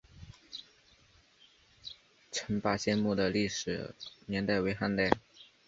陈霸先墓的历史年代为汉代。